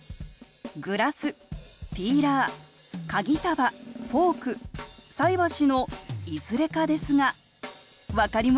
グラスピーラー鍵束フォーク菜箸のいずれかですが分かりますか？